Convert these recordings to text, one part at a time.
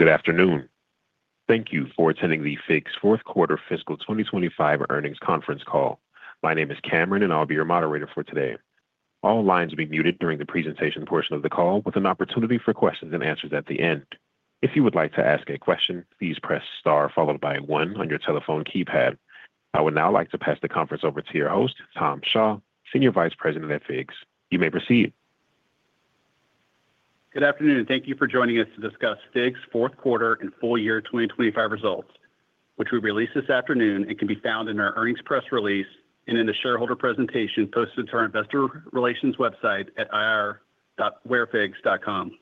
Good afternoon. Thank you for attending the FIGS Fourth Quarter Fiscal 2025 Earnings Conference Call. My name is Cameron, and I'll be your moderator for today. All lines will be muted during the presentation portion of the call with an opportunity for questions-and-answers at the end. If you would like to ask a question, please press star followed by one on your telephone keypad. I would now like to pass the conference over to your host, Tom Shaw, Senior Vice President at FIGS. You may proceed. Good afternoon, and thank you for joining us to discuss FIGS Fourth Quarter and Full Year 2025 Results, which we released this afternoon and can be found in our earnings press release and in the shareholder presentation posted to our investor relations website at ir.wearfigs.com.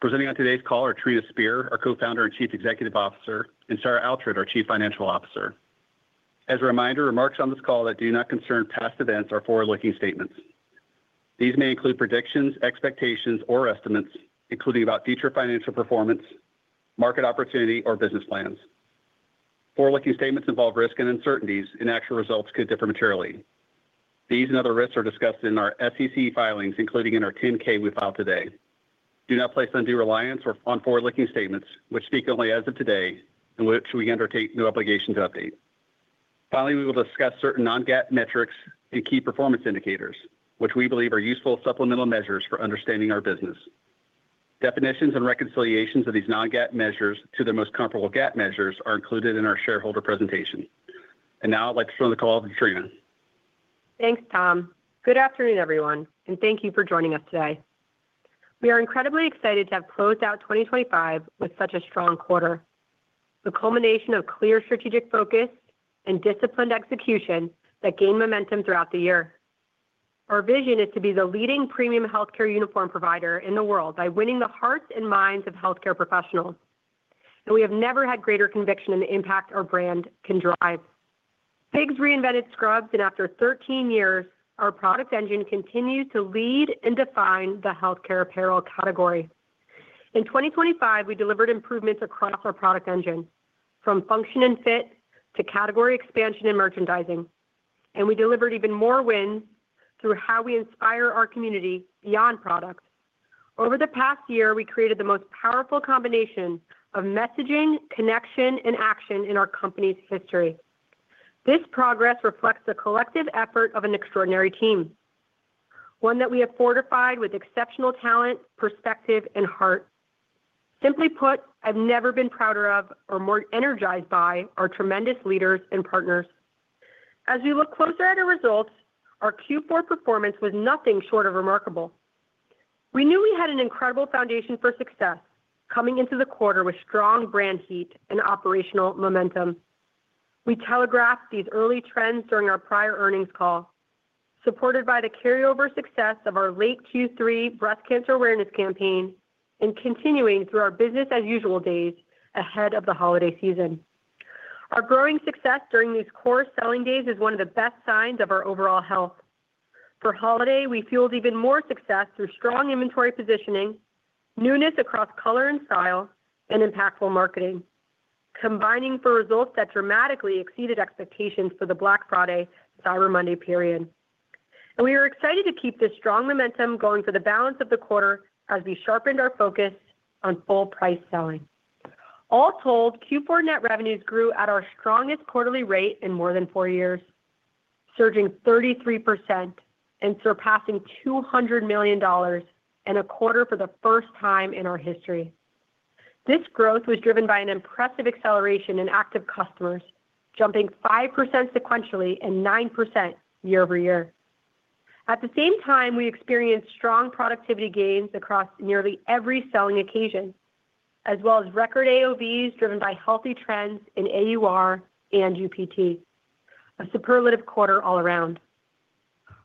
Presenting on today's call are Trina Spear, our Co-Founder and Chief Executive Officer, and Sarah Oughtred, our Chief Financial Officer. As a reminder, remarks on this call that do not concern past events are forward-looking statements. These may include predictions, expectations, or estimates, including about future financial performance, market opportunity, or business plans. Forward-looking statements involve risks and uncertainties, and actual results could differ materially. These and other risks are discussed in our SEC filings, including in our 10-K we filed today. Do not place undue reliance on forward-looking statements, which speak only as of today and which we undertake no obligation to update. Finally, we will discuss certain non-GAAP metrics and key performance indicators, which we believe are useful supplemental measures for understanding our business. Definitions and reconciliations of these non-GAAP measures to their most comparable GAAP measures are included in our shareholder presentation. Now I'd like to turn the call over to Trina. Thanks, Tom. Good afternoon, everyone, and thank you for joining us today. We are incredibly excited to have closed out 2025 with such a strong quarter. The culmination of clear strategic focus and disciplined execution that gained momentum throughout the year. Our vision is to be the leading premium healthcare uniform provider in the world by winning the hearts and minds of healthcare professionals. We have never had greater conviction in the impact our brand can drive. FIGS reinvented scrubs. After 13 years, our product engine continued to lead and define the healthcare apparel category. In 2025, we delivered improvements across our product engine from function and fit to category expansion and merchandising. We delivered even more wins through how we inspire our community beyond products. Over the past year, we created the most powerful combination of messaging, connection, and action in our company's history. This progress reflects the collective effort of an extraordinary team, one that we have fortified with exceptional talent, perspective, and heart. Simply put, I've never been prouder of or more energized by our tremendous leaders and partners. As we look closer at our results, our Q4 performance was nothing short of remarkable. We knew we had an incredible foundation for success coming into the quarter with strong brand heat and operational momentum. We telegraphed these early trends during our prior earnings call, supported by the carryover success of our late Q3 Breast Cancer Awareness campaign and continuing through our business as usual days ahead of the holiday season. Our growing success during these core selling days is one of the best signs of our overall health. For holiday, we fueled even more success through strong inventory positioning, newness across color and style, and impactful marketing, combining for results that dramatically exceeded expectations for the Black Friday/Cyber Monday period. We are excited to keep this strong momentum going for the balance of the quarter as we sharpened our focus on full price selling. All told, Q4 net revenues grew at our strongest quarterly rate in more than four years, surging 33% and surpassing $200 million in a quarter for the first time in our history. This growth was driven by an impressive acceleration in active customers, jumping 5% sequentially and 9% year-over-year. At the same time, we experienced strong productivity gains across nearly every selling occasion, as well as record AOVs driven by healthy trends in AUR and UPT. A superlative quarter all around.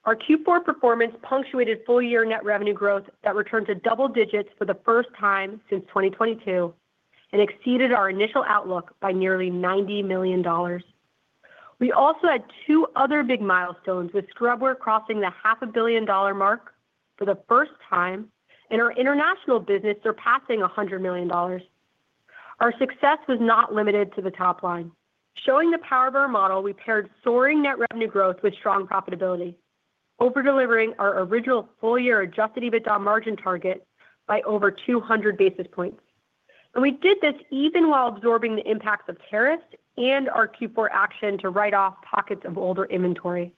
Our Q4 performance punctuated full year net revenue growth that returned to double digits for the first time since 2022 and exceeded our initial outlook by nearly $90 million. We also had two other big milestones, with scrub wear crossing the half a billion dollar mark for the first time and our international business surpassing $100 million. Our success was not limited to the top line. Showing the power of our model, we paired soaring net revenue growth with strong profitability, over-delivering our original full year adjusted EBITDA margin target by over 200 basis points. We did this even while absorbing the impacts of tariffs and our Q4 action to write off pockets of older inventory.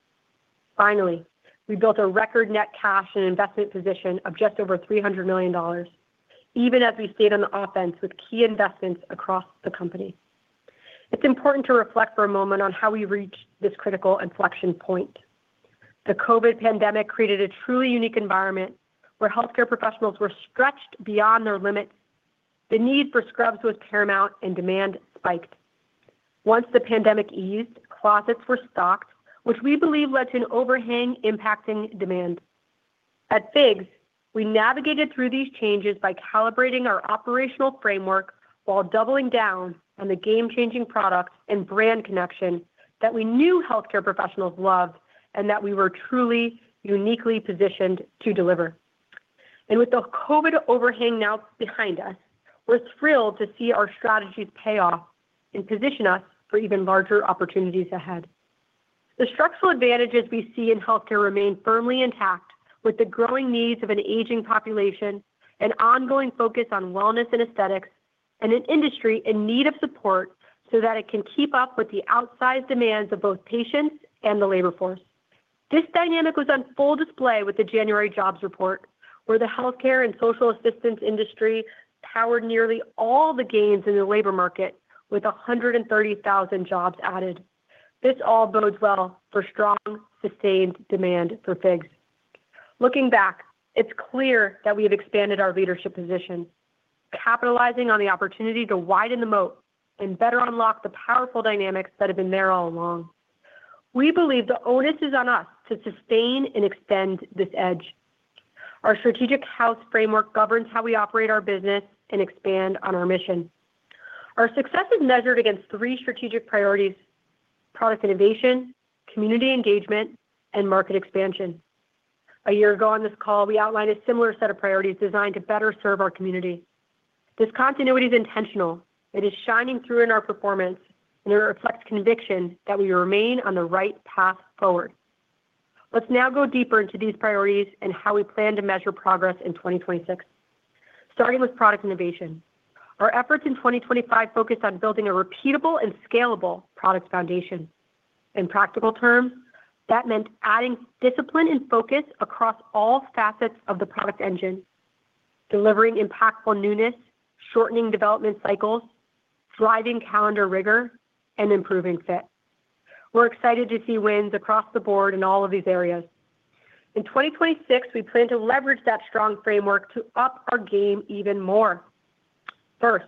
We built a record net cash and investment position of just over $300 million, even as we stayed on the offense with key investments across the company. It's important to reflect for a moment on how we reached this critical inflection point. The COVID pandemic created a truly unique environment where healthcare professionals were stretched beyond their limits. The need for scrubs was paramount and demand spiked. The pandemic eased, closets were stocked, which we believe led to an overhang impacting demand. At FIGS, we navigated through these changes by calibrating our operational framework while doubling down on the game-changing products and brand connection that we knew healthcare professionals loved and that we were truly uniquely positioned to deliver. With the COVID overhang now behind us, we're thrilled to see our strategies pay off and position us for even larger opportunities ahead. The structural advantages we see in healthcare remain firmly intact with the growing needs of an aging population, an ongoing focus on wellness and aesthetics, and an industry in need of support so that it can keep up with the outsized demands of both patients and the labor force. This dynamic was on full display with the January jobs report, where the healthcare and social assistance industry powered nearly all the gains in the labor market with 130,000 jobs added. This all bodes well for strong, sustained demand for FIGS. Looking back, it's clear that we have expanded our leadership position, capitalizing on the opportunity to widen the moat and better unlock the powerful dynamics that have been there all along. We believe the onus is on us to sustain and extend this edge. Our strategic house framework governs how we operate our business and expand on our mission. Our success is measured against three strategic priorities: product innovation, community engagement, and market expansion. A year ago on this call, we outlined a similar set of priorities designed to better serve our community. This continuity is intentional. It is shining through in our performance, and it reflects conviction that we remain on the right path forward. Let's now go deeper into these priorities and how we plan to measure progress in 2026. Starting with product innovation. Our efforts in 2025 focused on building a repeatable and scalable product foundation. In practical terms, that meant adding discipline and focus across all facets of the product engine, delivering impactful newness, shortening development cycles, driving calendar rigor, and improving fit. We're excited to see wins across the board in all of these areas. In 2026, we plan to leverage that strong framework to up our game even more. First,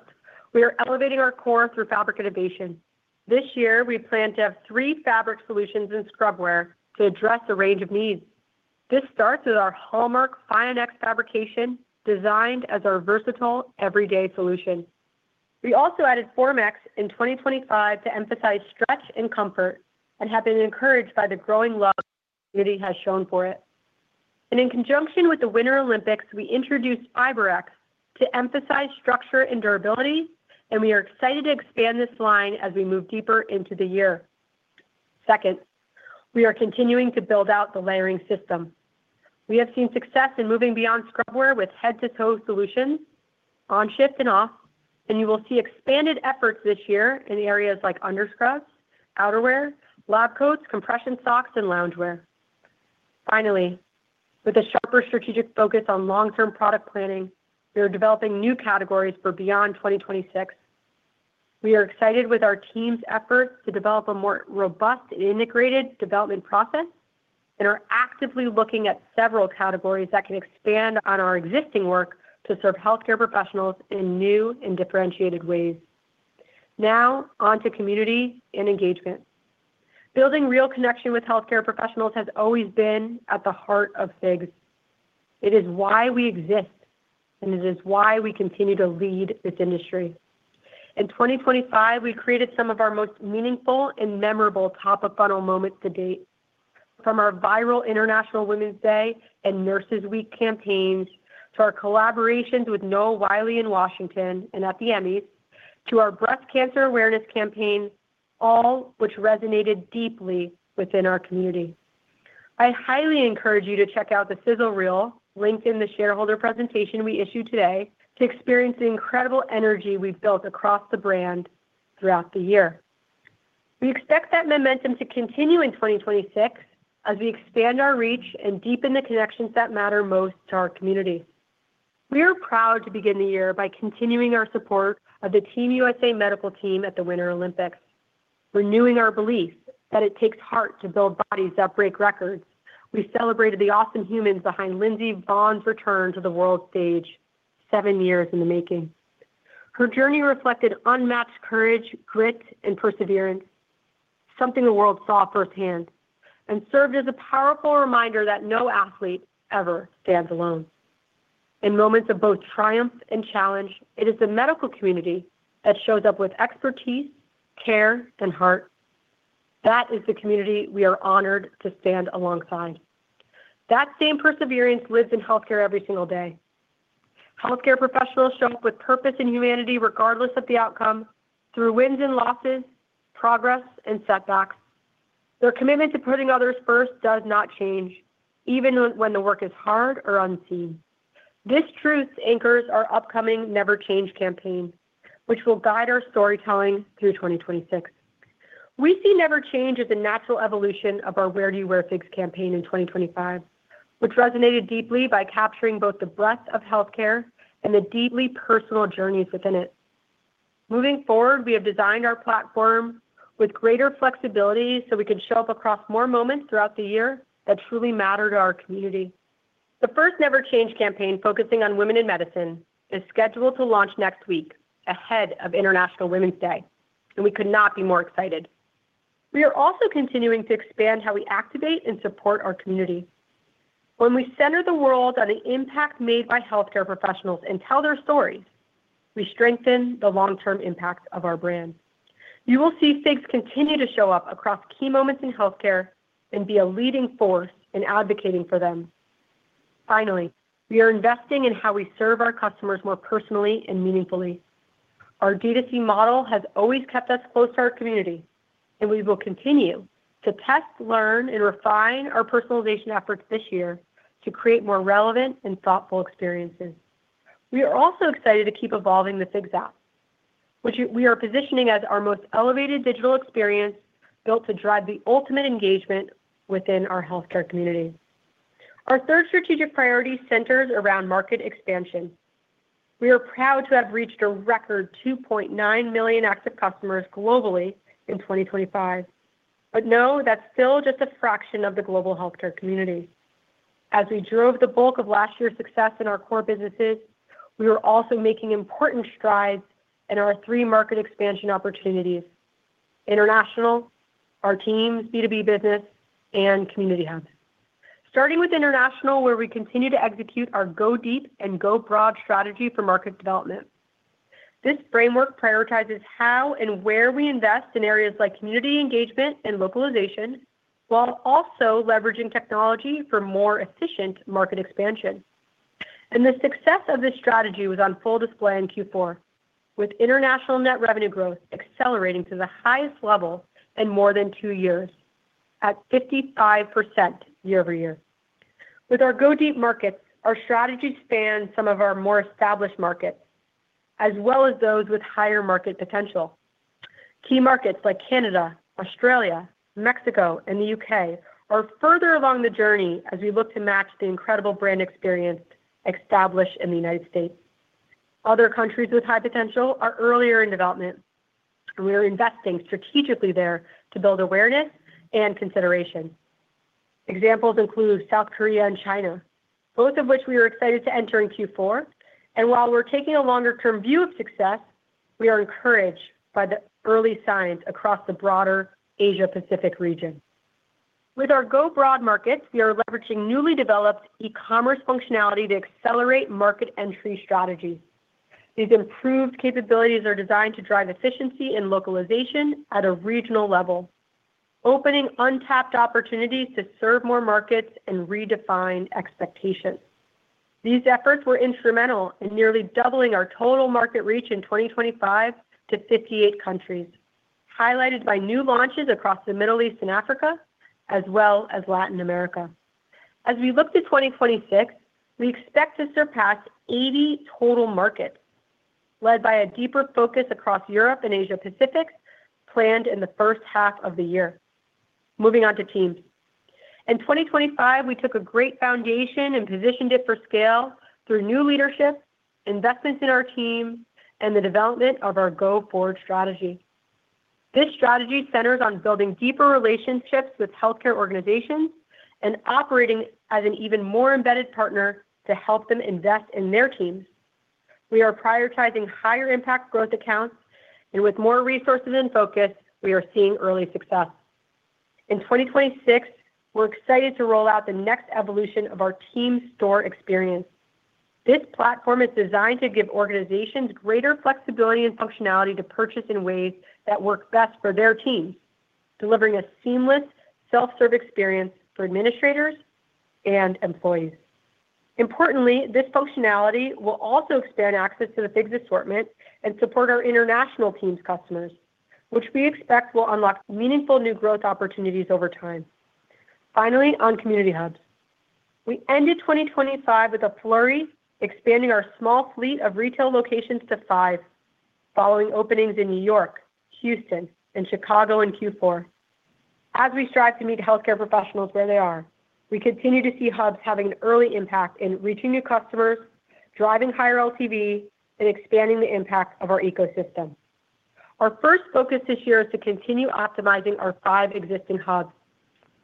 we are elevating our core through fabric innovation. This year, we plan to have three fabric solutions in scrub wear to address a range of needs. This starts with our hallmark FIONx fabrication, designed as our versatile everyday solution. We also added FORMx in 2025 to emphasize stretch and comfort and have been encouraged by the growing love the community has shown for it. In conjunction with the Winter Olympics, we introduced FIBREx to emphasize structure and durability, and we are excited to expand this line as we move deeper into the year. Second, we are continuing to build out the layering system. We have seen success in moving beyond scrub wear with head-to-toe solutions on shift and off, and you will see expanded efforts this year in areas like underscrubs, outerwear, lab coats, compression socks, and loungewear. Finally, with a sharper strategic focus on long-term product planning, we are developing new categories for beyond 2026. We are excited with our team's efforts to develop a more robust and integrated development process and are actively looking at several categories that can expand on our existing work to serve healthcare professionals in new and differentiated ways. Now, on to community and engagement. Building real connection with healthcare professionals has always been at the heart of FIGS. It is why we exist, and it is why we continue to lead this industry. In 2025, we created some of our most meaningful and memorable top-of-funnel moments to date, from our viral International Women's Day and Nurses Week campaigns, to our collaborations with Noah Wyle in Washington and at the Emmys, to our Breast Cancer Awareness campaign, all which resonated deeply within our community. I highly encourage you to check out the sizzle reel linked in the shareholder presentation we issued today to experience the incredible energy we've built across the brand throughout the year. We expect that momentum to continue in 2026 as we expand our reach and deepen the connections that matter most to our community. We are proud to begin the year by continuing our support of the Team USA medical team at the Winter Olympics. Renewing our belief that it takes heart to build bodies that break records, we celebrated the awesome humans behind Lindsey Vonn's return to the world stage seven years in the making. Her journey reflected unmatched courage, grit, and perseverance, something the world saw firsthand, and served as a powerful reminder that no athlete ever stands alone. In moments of both triumph and challenge, it is the medical community that shows up with expertise, care, and heart. That is the community we are honored to stand alongside. That same perseverance lives in healthcare every single day. Healthcare professionals show up with purpose and humanity regardless of the outcome, through wins and losses, progress and setbacks. Their commitment to putting others first does not change, even when the work is hard or unseen. This truth anchors our upcoming Never Change campaign, which will guide our storytelling through 2026. We see Never Change as a natural evolution of our Where Do You Wear FIGS campaign in 2025, which resonated deeply by capturing both the breadth of healthcare and the deeply personal journeys within it. Moving forward, we have designed our platform with greater flexibility so we can show up across more moments throughout the year that truly matter to our community. The first Never Change campaign focusing on women in medicine is scheduled to launch next week ahead of International Women's Day. We could not be more excited. We are also continuing to expand how we activate and support our community. When we center the world on the impact made by healthcare professionals and tell their stories, we strengthen the long-term impact of our brand. You will see FIGS continue to show up across key moments in healthcare and be a leading force in advocating for them. We are investing in how we serve our customers more personally and meaningfully. Our D2C model has always kept us close to our community, and we will continue to test, learn, and refine our personalization efforts this year to create more relevant and thoughtful experiences. We are also excited to keep evolving the FIGS app, which we are positioning as our most elevated digital experience built to drive the ultimate engagement within our healthcare community. Our third strategic priority centers around market expansion. We are proud to have reached a record 2.9 million active customers globally in 2025. Know that's still just a fraction of the global healthcare community. As we drove the bulk of last year's success in our core businesses, we are also making important strides in our three market expansion opportunities: international, our teams B2B business, and community hubs. Starting with international, where we continue to execute our go deep and go broad strategy for market development. This framework prioritizes how and where we invest in areas like community engagement and localization, while also leveraging technology for more efficient market expansion. The success of this strategy was on full display in Q4, with international net revenue growth accelerating to the highest level in more than two years at 55% year-over-year. With our go deep markets, our strategy spans some of our more established markets, as well as those with higher market potential. Key markets like Canada, Australia, Mexico, and the U.K. are further along the journey as we look to match the incredible brand experience established in the U.S. Other countries with high potential are earlier in development. We are investing strategically there to build awareness and consideration. Examples include South Korea and China, both of which we are excited to enter in Q4. While we're taking a longer-term view of success, we are encouraged by the early signs across the broader Asia-Pacific region. With our go broad markets, we are leveraging newly developed e-commerce functionality to accelerate market entry strategies. These improved capabilities are designed to drive efficiency and localization at a regional level, opening untapped opportunities to serve more markets and redefine expectations. These efforts were instrumental in nearly doubling our total market reach in 2025 to 58 countries, highlighted by new launches across the Middle East and Africa, as well as Latin America. As we look to 2026, we expect to surpass 80 total markets, led by a deeper focus across Europe and Asia Pacific planned in the first half of the year. Moving on to teams. In 2025, we took a great foundation and positioned it for scale through new leadership, investments in our team, and the development of our go forward strategy. This strategy centers on building deeper relationships with healthcare organizations and operating as an even more embedded partner to help them invest in their teams. We are prioritizing higher impact growth accounts, and with more resources and focus, we are seeing early success. In 2026, we're excited to roll out the next evolution of our team store experience. This platform is designed to give organizations greater flexibility and functionality to purchase in ways that work best for their teams, delivering a seamless self-serve experience for administrators and employees. Importantly, this functionality will also expand access to the FIGS assortment and support our international teams customers, which we expect will unlock meaningful new growth opportunities over time. On community hubs. We ended 2025 with a flurry, expanding our small fleet of retail locations to five following openings in New York, Houston, and Chicago in Q4. As we strive to meet healthcare professionals where they are, we continue to see hubs having an early impact in reaching new customers, driving higher LTV, and expanding the impact of our ecosystem. Our first focus this year is to continue optimizing our five existing hubs.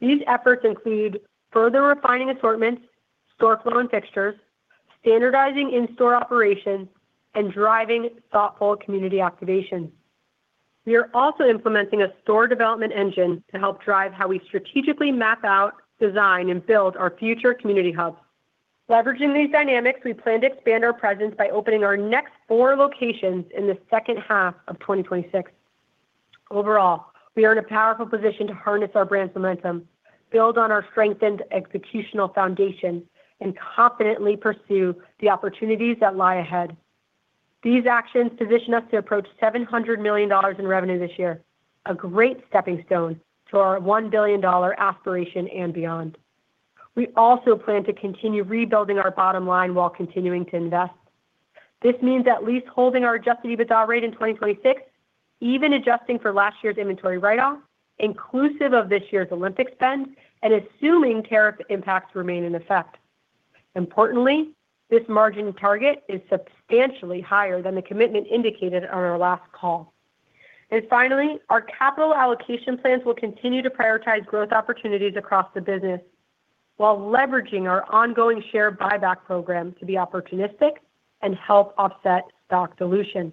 These efforts include further refining assortments, store flow and fixtures, standardizing in-store operations, and driving thoughtful community activation. We are also implementing a store development engine to help drive how we strategically map out, design, and build our future community hubs. Leveraging these dynamics, we plan to expand our presence by opening our next four locations in the second half of 2026. Overall, we are in a powerful position to harness our brand's momentum, build on our strengthened executional foundation, and confidently pursue the opportunities that lie ahead. These actions position us to approach $700 million in revenue this year, a great stepping stone to our $1 billion aspiration and beyond. We also plan to continue rebuilding our bottom line while continuing to invest. This means at least holding our adjusted EBITDA rate in 2026, even adjusting for last year's inventory write off, inclusive of this year's Olympic spend, assuming tariff impacts remain in effect. Importantly, this margin target is substantially higher than the commitment indicated on our last call. Finally, our capital allocation plans will continue to prioritize growth opportunities across the business while leveraging our ongoing share buyback program to be opportunistic and help offset stock dilution.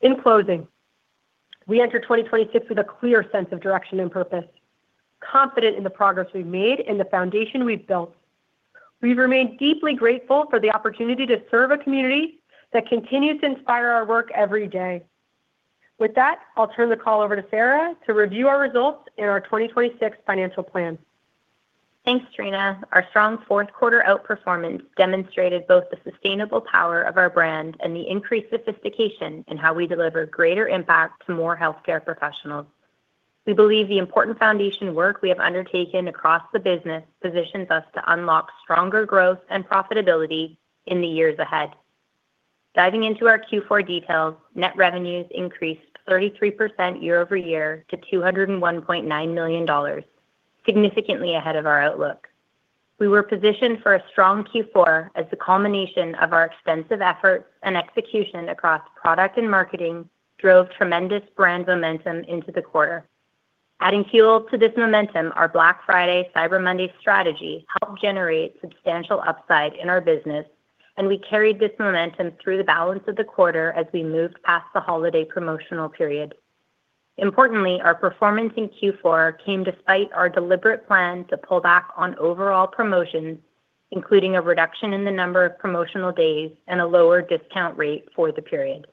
In closing, we enter 2026 with a clear sense of direction and purpose, confident in the progress we've made and the foundation we've built. We remain deeply grateful for the opportunity to serve a community that continues to inspire our work every day. With that, I'll turn the call over to Sarah to review our results in our 2026 financial plan. Thanks, Trina. Our strong fourth quarter outperformance demonstrated both the sustainable power of our brand and the increased sophistication in how we deliver greater impact to more healthcare professionals. We believe the important foundation work we have undertaken across the business positions us to unlock stronger growth and profitability in the years ahead. Diving into our Q4 details, net revenues increased 33% year-over-year to $201.9 million, significantly ahead of our outlook. We were positioned for a strong Q4 as the culmination of our extensive efforts and execution across product and marketing drove tremendous brand momentum into the quarter. Adding fuel to this momentum, our Black Friday, Cyber Monday strategy helped generate substantial upside in our business, and we carried this momentum through the balance of the quarter as we moved past the holiday promotional period. Importantly, our performance in Q4 came despite our deliberate plan to pull back on overall promotions, including a reduction in the number of promotional days and a lower discount rate for the period.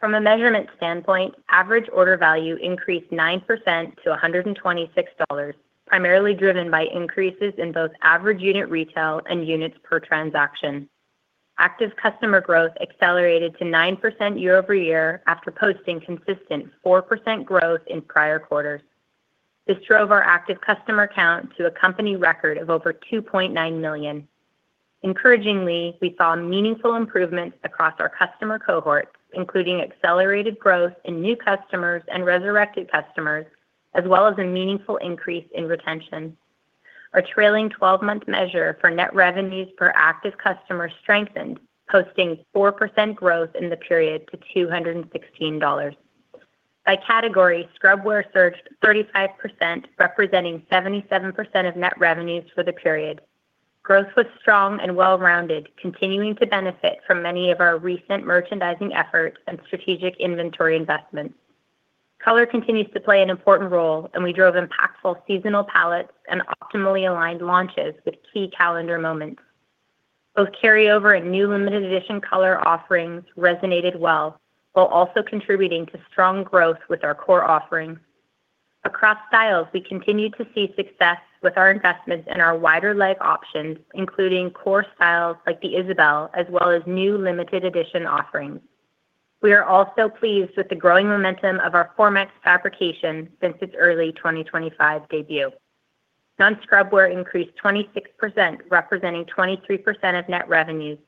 From a measurement standpoint, average order value increased 9% to $126, primarily driven by increases in both average unit retail and units per transaction. Active customer growth accelerated to 9% year-over-year after posting consistent 4% growth in prior quarters. This drove our active customer count to a company record of over 2.9 million. Encouragingly, we saw meaningful improvements across our customer cohorts, including accelerated growth in new customers and resurrected customers, as well as a meaningful increase in retention. Our trailing 12 months measure for net revenues per active customer strengthened, posting 4% growth in the period to $216. By category, scrub wear surged 35%, representing 77% of net revenues for the period. Growth was strong and well-rounded, continuing to benefit from many of our recent merchandising efforts and strategic inventory investments. Color continues to play an important role, and we drove impactful seasonal palettes and optimally aligned launches with key calendar moments. Both carryover and new limited edition color offerings resonated well, while also contributing to strong growth with our core offerings. Across styles, we continued to see success with our investments in our wider leg options, including core styles like the Isabel, as well as new limited edition offerings. We are also pleased with the growing momentum of our FORMx fabrication since its early 2025 debut. Non-scrub wear increased 26%, representing 23% of net revenues.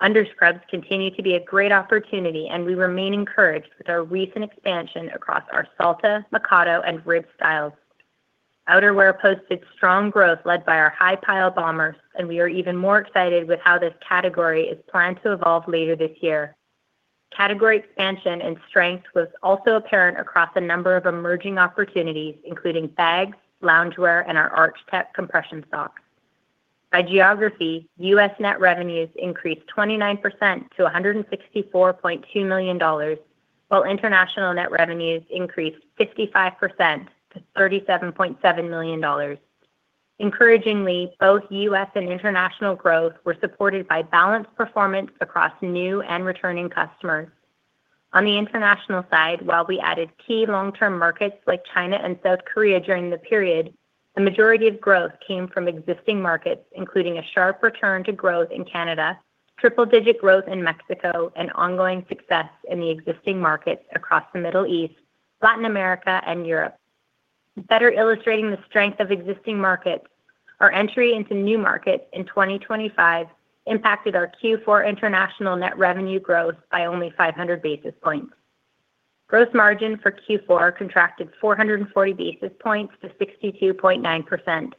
Under scrubs continue to be a great opportunity. We remain encouraged with our recent expansion across our Salta, Mikado, and Rib styles. Outerwear posted strong growth led by our high pile bombers. We are even more excited with how this category is planned to evolve later this year. Category expansion and strength was also apparent across a number of emerging opportunities, including bags, loungewear, and our ArchTek compression socks. By geography, U.S. net revenues increased 29% to $164.2 million, while international net revenues increased 55% to $37.7 million. Encouragingly, both U.S. and international growth were supported by balanced performance across new and returning customers. On the international side, while we added key long-term markets like China and South Korea during the period, the majority of growth came from existing markets, including a sharp return to growth in Canada, triple-digit growth in Mexico, and ongoing success in the existing markets across the Middle East, Latin America, and Europe. Better illustrating the strength of existing markets, our entry into new markets in 2025 impacted our Q4 international net revenue growth by only 500 basis points. Gross margin for Q4 contracted 440 basis points to 62.9%.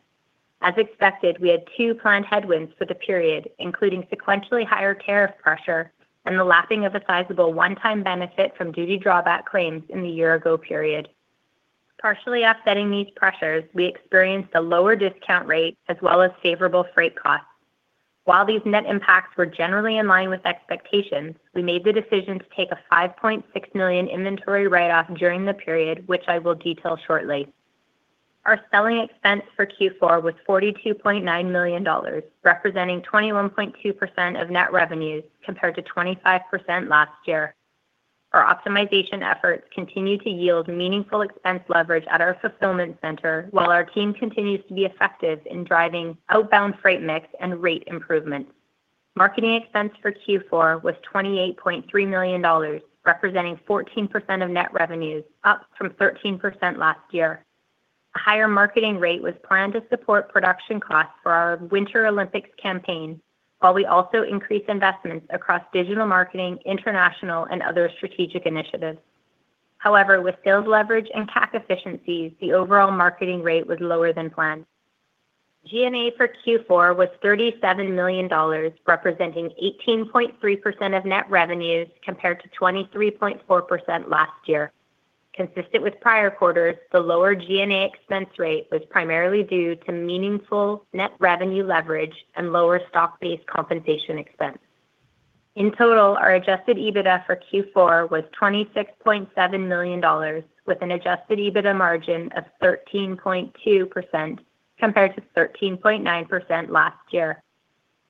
As expected, we had two planned headwinds for the period, including sequentially higher tariff pressure and the lapping of a sizable one-time benefit from duty drawback claims in the year-ago period. Partially offsetting these pressures, we experienced a lower discount rate as well as favorable freight costs. While these net impacts were generally in line with expectations, we made the decision to take a $5.6 million inventory write-off during the period, which I will detail shortly. Our selling expense for Q4 was $42.9 million, representing 21.2% of net revenues compared to 25% last year. Our optimization efforts continue to yield meaningful expense leverage at our fulfillment center, while our team continues to be effective in driving outbound freight mix and rate improvements. Marketing expense for Q4 was $28.3 million, representing 14% of net revenues, up from 13% last year. A higher marketing rate was planned to support production costs for our Winter Olympics campaign, while we also increased investments across digital marketing, international, and other strategic initiatives. With sales leverage and CAC efficiencies, the overall marketing rate was lower than planned. G&A for Q4 was $37 million, representing 18.3% of net revenues compared to 23.4% last year. Consistent with prior quarters, the lower G&A expense rate was primarily due to meaningful net revenue leverage and lower stock-based compensation expense. In total, our adjusted EBITDA for Q4 was $26.7 million, with an adjusted EBITDA margin of 13.2% compared to 13.9% last year.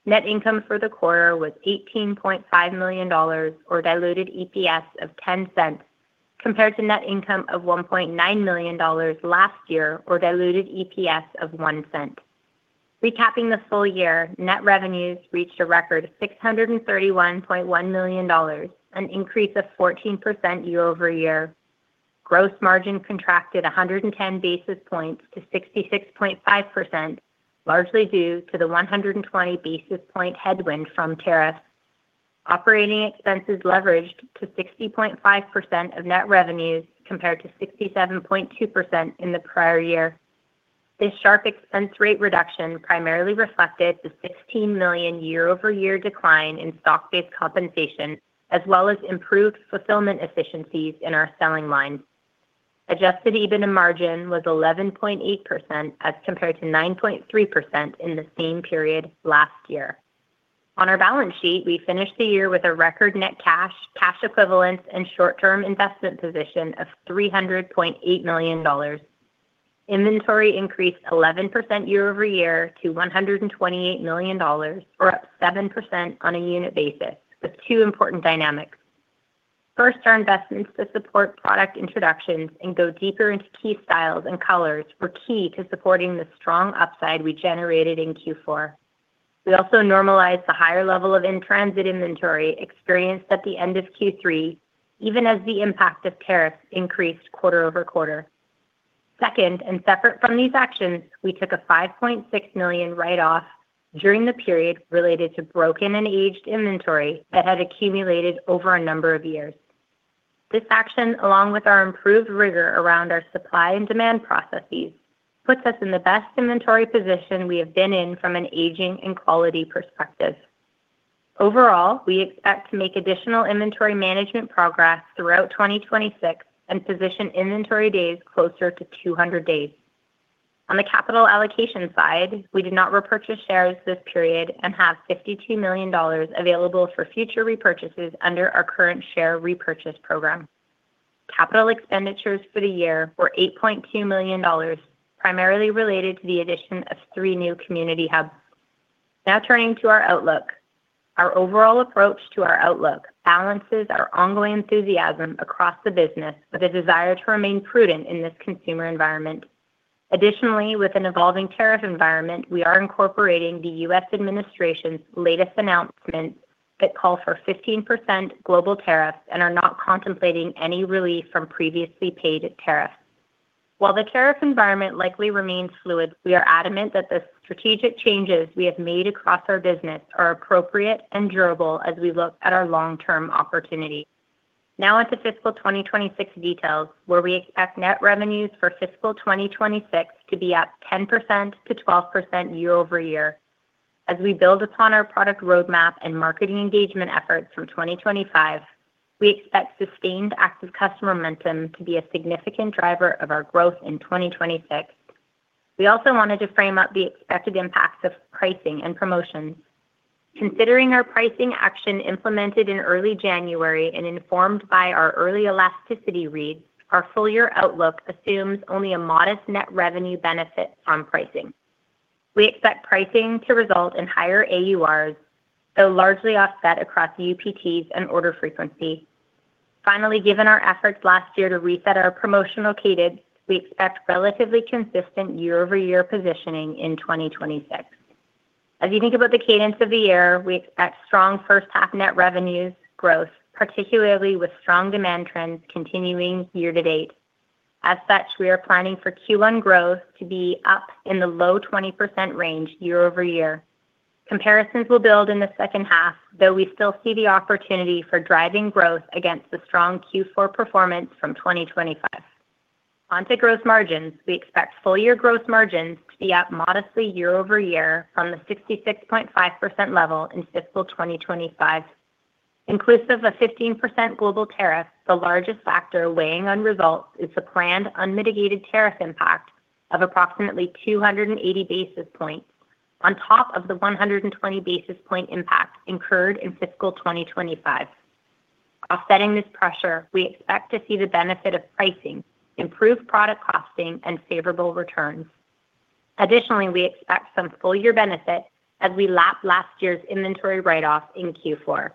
Net income for the quarter was $18.5 million or diluted EPS of $0.10 compared to net income of $1.9 million last year or diluted EPS of $0.01. Recapping the full year, net revenues reached a record $631.1 million, an increase of 14% year-over-year. Gross margin contracted 110 basis points to 66.5%, largely due to the 120 basis point headwind from tariffs. Operating expenses leveraged to 60.5% of net revenues compared to 67.2% in the prior year. This sharp expense rate reduction primarily reflected the $16 million year-over-year decline in stock-based compensation, as well as improved fulfillment efficiencies in our selling line. Adjusted EBITDA margin was 11.8% as compared to 9.3% in the same period last year. On our balance sheet, we finished the year with a record net cash equivalents and short-term investment position of $300.8 million. Inventory increased 11% year-over-year to $128 million or up 7% on a unit basis with two important dynamics. First, our investments to support product introductions and go deeper into key styles and colors were key to supporting the strong upside we generated in Q4. We also normalized the higher level of in-transit inventory experienced at the end of Q3, even as the impact of tariffs increased quarter-over-quarter. Second, and separate from these actions, we took a $5.6 million write-off during the period related to broken and aged inventory that had accumulated over a number of years. This action, along with our improved rigor around our supply and demand processes, puts us in the best inventory position we have been in from an aging and quality perspective. Overall, we expect to make additional inventory management progress throughout 2026 and position inventory days closer to 200 days. On the capital allocation side, we did not repurchase shares this period and have $52 million available for future repurchases under our current share repurchase program. Capital expenditures for the year were $8.2 million, primarily related to the addition of three new community hubs. Now turning to our outlook. Our overall approach to our outlook balances our ongoing enthusiasm across the business with a desire to remain prudent in this consumer environment. Additionally, with an evolving tariff environment, we are incorporating the U.S. administration's latest announcement that call for 15% global tariffs and are not contemplating any relief from previously paid tariffs. While the tariff environment likely remains fluid, we are adamant that the strategic changes we have made across our business are appropriate and durable as we look at our long-term opportunity. Now onto fiscal 2026 details, where we expect net revenues for fiscal 2026 to be up 10%-12% year-over-year. As we build upon our product roadmap and marketing engagement efforts from 2025, we expect sustained active customer momentum to be a significant driver of our growth in 2026. We also wanted to frame up the expected impacts of pricing and promotions. Considering our pricing action implemented in early January and informed by our early elasticity reads, our full year outlook assumes only a modest net revenue benefit from pricing. We expect pricing to result in higher AURs, though largely offset across UPTs and order frequency. Finally, given our efforts last year to reset our promotional cadence, we expect relatively consistent year-over-year positioning in 2026. As you think about the cadence of the year, we expect strong first half net revenues growth, particularly with strong demand trends continuing year to date. As such, we are planning for Q1 growth to be up in the low 20% range year-over-year. Comparisons will build in the second half, though we still see the opportunity for driving growth against the strong Q4 performance from 2025. Onto gross margins, we expect full year gross margins to be up modestly year-over-year from the 66.5% level in fiscal 2025. Inclusive of 15% global tariff, the largest factor weighing on results is the planned unmitigated tariff impact of approximately 280 basis points on top of the 120 basis point impact incurred in fiscal 2025. Offsetting this pressure, we expect to see the benefit of pricing, improved product costing and favorable returns. Additionally, we expect some full year benefit as we lap last year's inventory write-off in Q4.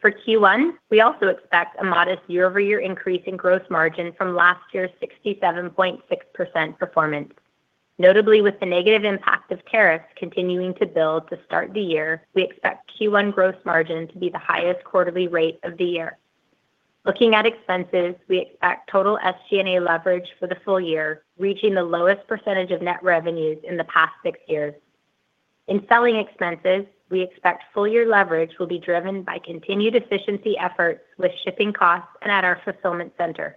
For Q1, we also expect a modest year-over-year increase in gross margin from last year's 67.6% performance. Notably, with the negative impact of tariffs continuing to build to start the year, we expect Q1 gross margin to be the highest quarterly rate of the year. Looking at expenses, we expect total SG&A leverage for the full year, reaching the lowest percentage of net revenues in the past six years. In selling expenses, we expect full year leverage will be driven by continued efficiency efforts with shipping costs and at our fulfillment center.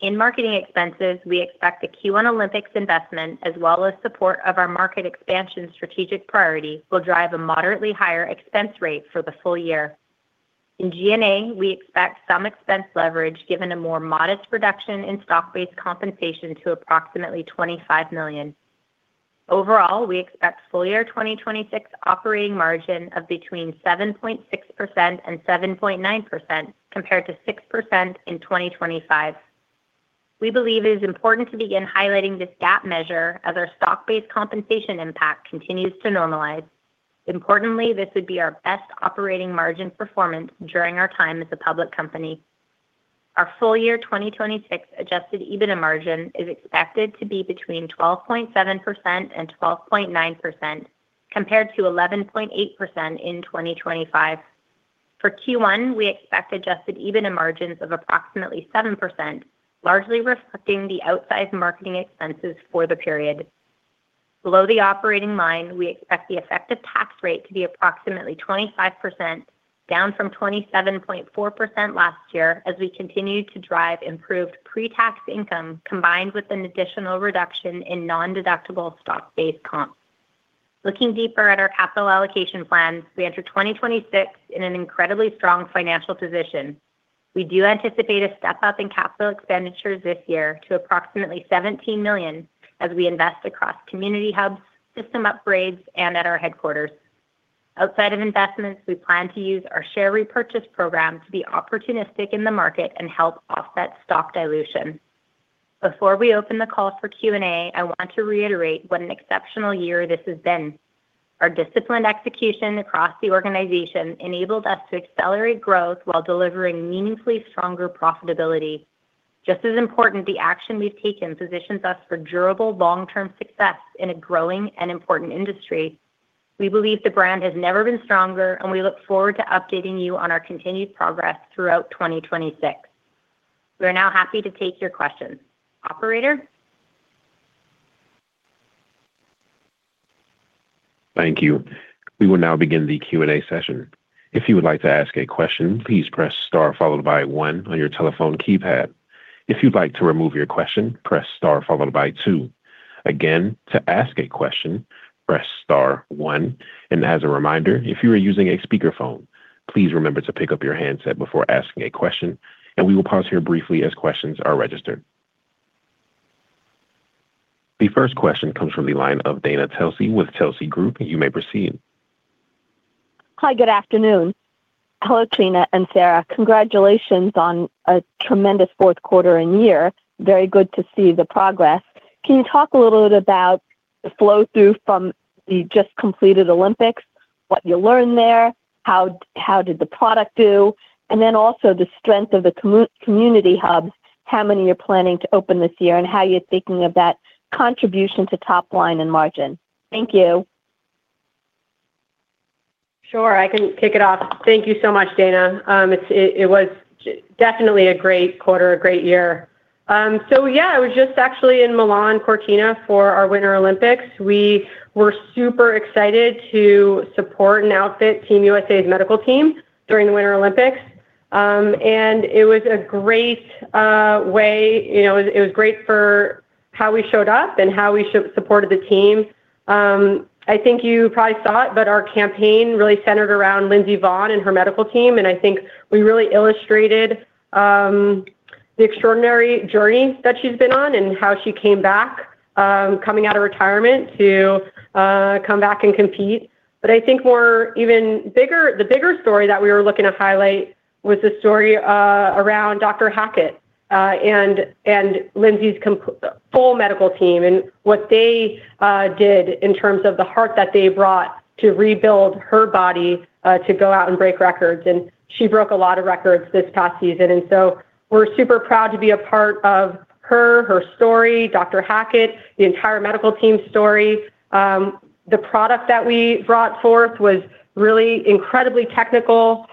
In marketing expenses, we expect a Q1 Olympics investment as well as support of our market expansion strategic priority will drive a moderately higher expense rate for the full year. In G&A, we expect some expense leverage given a more modest reduction in stock-based compensation to approximately $25 million. Overall, we expect full year 2026 operating margin of between 7.6% and 7.9% compared to 6% in 2025. We believe it is important to begin highlighting this GAAP measure as our stock-based compensation impact continues to normalize. This would be our best operating margin performance during our time as a public company. Our full year 2026 adjusted EBITDA margin is expected to be between 12.7% and 12.9% compared to 11.8% in 2025. For Q1, we expect adjusted EBITDA margins of approximately 7%, largely reflecting the outsized marketing expenses for the period. Below the operating line, we expect the effective tax rate to be approximately 25%, down from 27.4% last year as we continue to drive improved pre-tax income combined with an additional reduction in non-deductible stock-based comp. Looking deeper at our capital allocation plans, we enter 2026 in an incredibly strong financial position. We do anticipate a step-up in CapEx this year to approximately $17 million as we invest across community hubs, system upgrades, and at our headquarters. Outside of investments, we plan to use our share repurchase program to be opportunistic in the market and help offset stock dilution. Before we open the call for Q&A, I want to reiterate what an exceptional year this has been. Our disciplined execution across the organization enabled us to accelerate growth while delivering meaningfully stronger profitability. Just as important, the action we've taken positions us for durable long-term success in a growing and important industry. We believe the brand has never been stronger, and we look forward to updating you on our continued progress throughout 2026. We are now happy to take your questions. Operator? Thank you. We will now begin the Q&A session. If you would like to ask a question, please press star followed by one on your telephone keypad. If you'd like to remove your question, press star followed by two. Again, to ask a question, press star one. As a reminder, if you are using a speakerphone, please remember to pick up your handset before asking a question, and we will pause here briefly as questions are registered. The first question comes from the line of Dana Telsey with Telsey Advisory Group. You may proceed. Hi, good afternoon. Hello, Trina and Sarah. Congratulations on a tremendous fourth quarter and year. Very good to see the progress. Can you talk a little bit about the flow through from the just completed Olympics, what you learned there, how did the product do? And then also the strength of the community hubs, how many you're planning to open this year, and how you're thinking of that contribution to top line and margin? Thank you. Sure. I can kick it off. Thank you so much, Dana. It was definitely a great quarter, a great year. Yeah, I was just actually in Milan, Cortina for our Winter Olympics. We were super excited to support and outfit Team USA's medical team during the Winter Olympics. It was a great way, you know, it was great for how we showed up and how we supported the team. I think you probably saw it, our campaign really centered around Lindsey Vonn and her medical team. I think we really illustrated the extraordinary journey that she's been on and how she came back, coming out of retirement to come back and compete. I think the bigger story that we were looking to highlight was the story around Dr. Hackett and Lindsey Vonn's full medical team and what they did in terms of the heart that they brought to rebuild her body to go out and break records. She broke a lot of records this past season. We're super proud to be a part of her story, Dr. Hackett, the entire medical team's story. The product that we brought forth was really incredibly technical.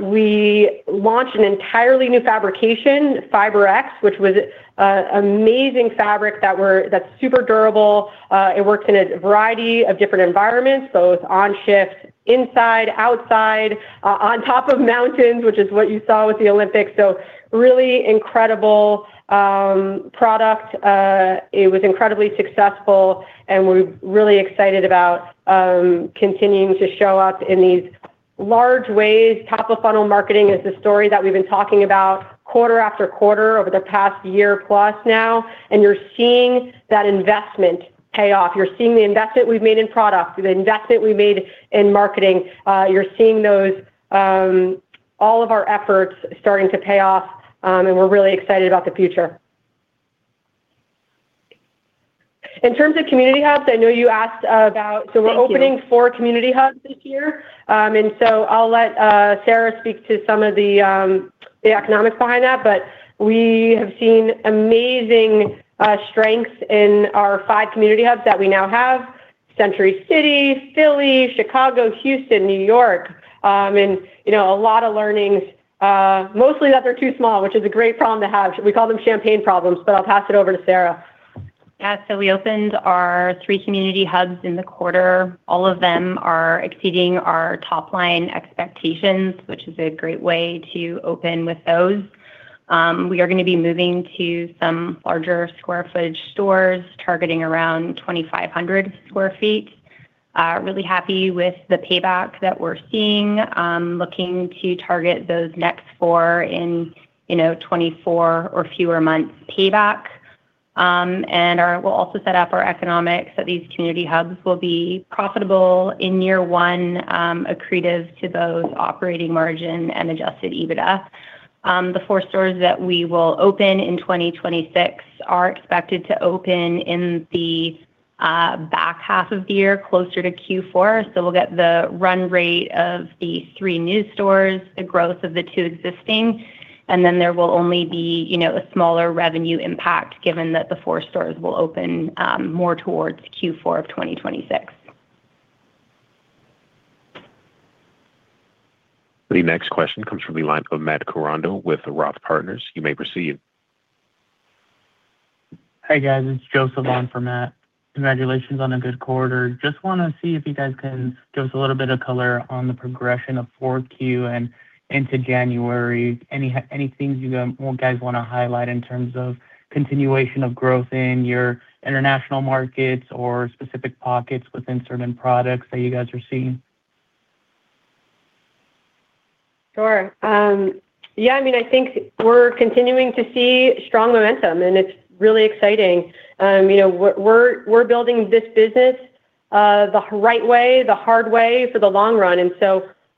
We launched an entirely new fabrication, FIBREx, which was a amazing fabric that's super durable. It works in a variety of different environments, both on shift, inside, outside, on top of mountains, which is what you saw with the Olympics. Really incredible product. It was incredibly successful, and we're really excited about continuing to show up in these large ways. Top-of-funnel marketing is the story that we've been talking about quarter after quarter over the past year plus now. You're seeing that investment pay off. You're seeing the investment we've made in product, the investment we made in marketing. You're seeing those, all of our efforts starting to pay off. We're really excited about the future. In terms of community hubs, I know you asked about Thank you. We're opening four community hubs this year. I'll let Sarah speak to some of the economics behind that. We have seen amazing strengths in our five community hubs that we now have: Century City, Philly, Chicago, Houston, New York. You know, a lot of learnings, mostly that they're too small, which is a great problem to have. We call them champagne problems, I'll pass it over to Sarah. Yeah. We opened our three community hubs in the quarter. All of them are exceeding our top-line expectations, which is a great way to open with those. We are gonna be moving to some larger square footage stores targeting around 2,500 sq ft. Really happy with the payback that we're seeing. Looking to target those next four in 24 or fewer months payback. We'll also set up our economics that these community hubs will be profitable in year one, accretive to both operating margin and adjusted EBITDA. The four stores that we will open in 2026 are expected to open in the back half of the year, closer to Q4. We'll get the run rate of the three new stores, the growth of the two existing, and then there will only be, you know, a smaller revenue impact given that the four stores will open more towards Q4 of 2026. The next question comes from the line of Matt Koranda with ROTH Partners. You may proceed. Hi, guys. It's Joe Savon for Matt. Hi. Congratulations on a good quarter. Just wanna see if you guys can give us a little bit of color on the progression of 4Q and into January. Any things you guys wanna highlight in terms of continuation of growth in your international markets or specific pockets within certain products that you guys are seeing? Sure. Yeah, I mean, I think we're continuing to see strong momentum, and it's really exciting. You know, we're building this business the right way, the hard way for the long run.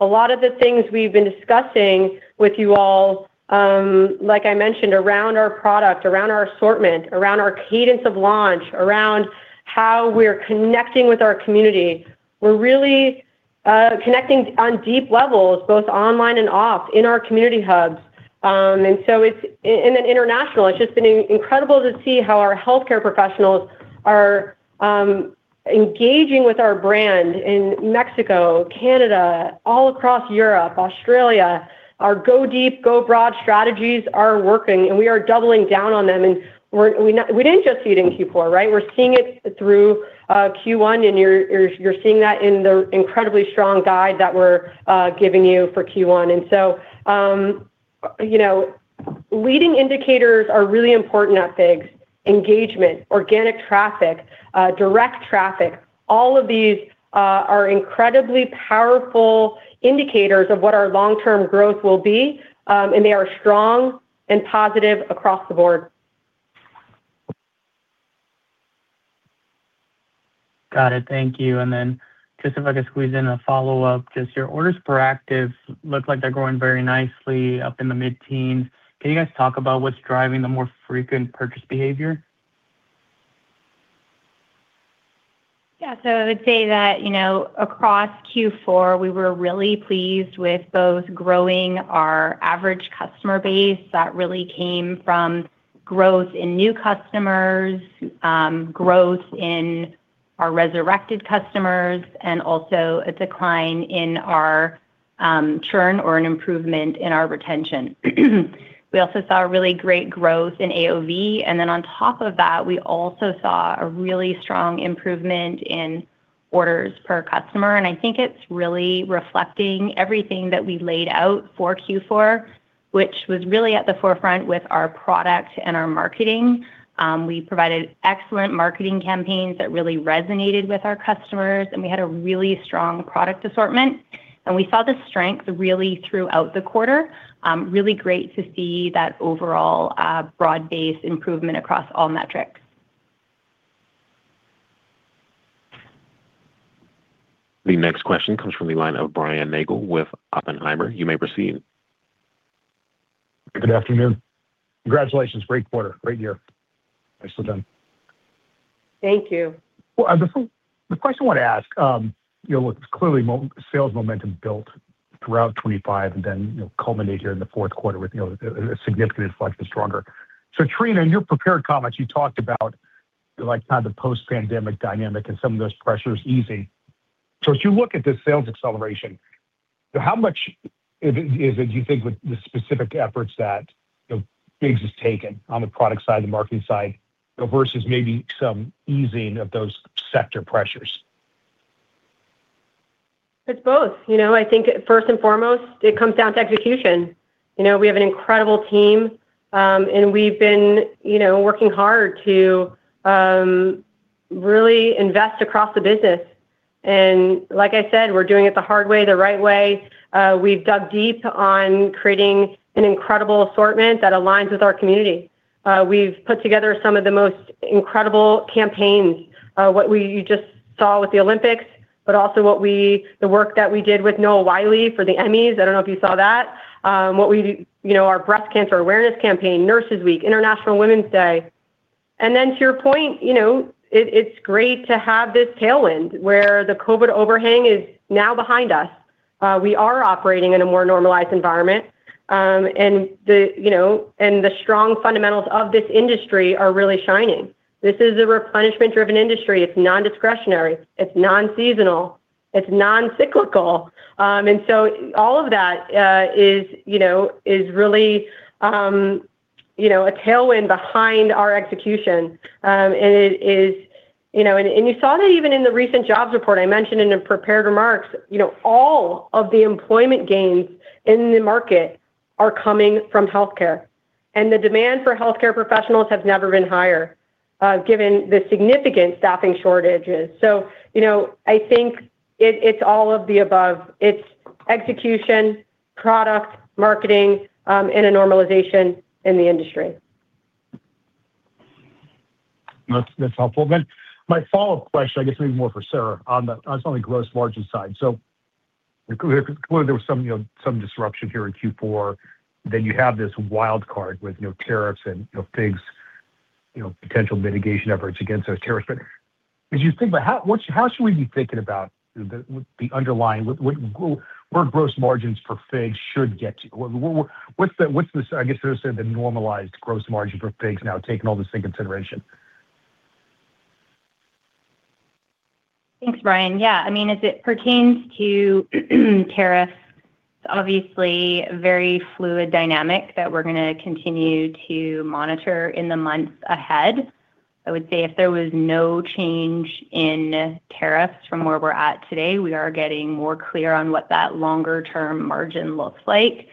A lot of the things we've been discussing with you all, like I mentioned, around our product, around our assortment, around our cadence of launch, around how we're connecting with our community. We're really connecting on deep levels, both online and off in our community hubs. In international, it's just been incredible to see how our healthcare professionals are engaging with our brand in Mexico, Canada, all across Europe, Australia. Our go deep, go broad strategies are working, and we are doubling down on them. We didn't just see it in Q4, right? We're seeing it through Q1, and you're seeing that in the incredibly strong guide that we're giving you for Q1. You know, leading indicators are really important at FIGS, engagement, organic traffic, direct traffic. All of these are incredibly powerful indicators of what our long-term growth will be, and they are strong and positive across the board. Got it. Thank you. Just if I could squeeze in a follow-up. Just your orders per active look like they're growing very nicely up in the mid teens. Can you guys talk about what's driving the more frequent purchase behavior? I would say that, you know, across Q4, we were really pleased with both growing our average customer base that really came from growth in new customers, growth in our resurrected customers, and also a decline in our churn or an improvement in our retention. We also saw a really great growth in AOV. On top of that, we also saw a really strong improvement in orders per customer. I think it's really reflecting everything that we laid out for Q4, which was really at the forefront with our product and our marketing. We provided excellent marketing campaigns that really resonated with our customers, and we had a really strong product assortment. We saw the strength really throughout the quarter. Really great to see that overall, broad-based improvement across all metrics. The next question comes from the line of Brian Nagel with Oppenheimer. You may proceed. Good afternoon. Congratulations. Great quarter. Great year. Nicely done. Thank you. Well, the question I want to ask, you know, look, clearly sales momentum built throughout 2025 and then, you know, culminated here in the fourth quarter with, you know, a significant reflection stronger. Trina, in your prepared comments, you talked about, like, kind of post-pandemic dynamic and some of those pressures easing. As you look at the sales acceleration, how much of it is it, do you think, with the specific efforts that FIGS has taken on the product side, the marketing side, you know, versus maybe some easing of those sector pressures? It's both. You know, I think first and foremost, it comes down to execution. You know, we have an incredible team, we've been, you know, working hard to really invest across the business. Like I said, we're doing it the hard way, the right way. We've dug deep on creating an incredible assortment that aligns with our community. We've put together some of the most incredible campaigns, you just saw with the Olympics, but also the work that we did with Noah Wyle for the Emmys. I don't know if you saw that. You know, our Breast Cancer Awareness campaign, Nurses Week, International Women's Day. To your point, you know, it's great to have this tailwind where the COVID overhang is now behind us. We are operating in a more normalized environment. The, you know, and the strong fundamentals of this industry are really shining. This is a replenishment-driven industry. It's non-discretionary, it's non-seasonal, it's non-cyclical. So all of that is, you know, is really, you know, a tailwind behind our execution. It is, you know. You saw that even in the recent jobs report, I mentioned in the prepared remarks, you know, all of the employment gains in the market are coming from healthcare. The demand for healthcare professionals has never been higher, given the significant staffing shortages. You know, I think it's all of the above. It's execution Product marketing, and a normalization in the industry. That's helpful. My follow-up question, I guess maybe more for Sarah on the gross margin side. Clearly there was some, you know, some disruption here in Q4, then you have this wild card with, you know, tariffs and, you know, FIGS potential mitigation efforts against those tariffs. As you think about how should we be thinking about the underlying, where gross margins for FIGS should get to? What's the, what's the, I guess sort of say the normalized gross margin for FIGS now taking all this into consideration? Thanks, Brian. Yeah. I mean, as it pertains to tariffs, it's obviously a very fluid dynamic that we're gonna continue to monitor in the months ahead. I would say if there was no change in tariffs from where we're at today, we are getting more clear on what that longer term margin looks like.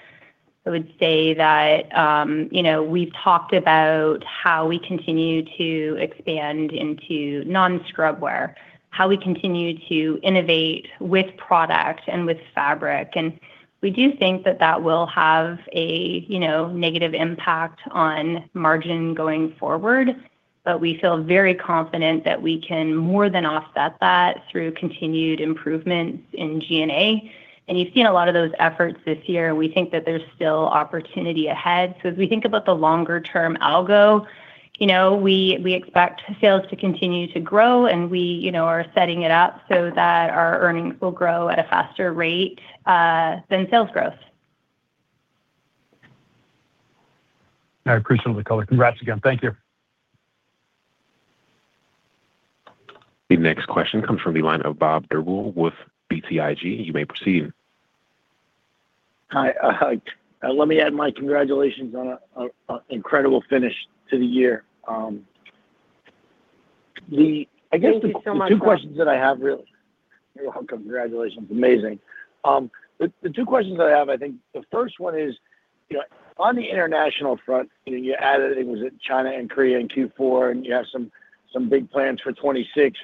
I would say that, you know, we've talked about how we continue to expand into non-scrub wear, how we continue to innovate with product and with fabric, and we do think that that will have a negative impact on margin going forward. We feel very confident that we can more than offset that through continued improvements in G&A. You've seen a lot of those efforts this year. We think that there's still opportunity ahead. As we think about the longer term algo, you know, we expect sales to continue to grow and we, you know, are setting it up so that our earnings will grow at a faster rate than sales growth. All right. Appreciate all the color. Congrats again. Thank you. The next question comes from the line of Bob Drbul with BTIG. You may proceed. Hi. Let me add my congratulations on a incredible finish to the year. Thank you so much, Bob. I guess the two questions that I have really. You're welcome. Congratulations. Amazing. The two questions I have, I think the first one is, you know, on the international front, you know, you added, I think was it China and Korea in Q4, and you have some big plans for 2026.